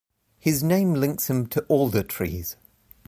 His name links him to alder-trees.